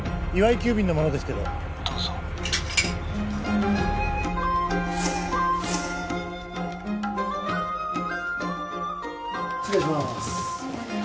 急便の者ですけどどうぞ失礼します